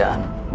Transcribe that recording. aku mau pergi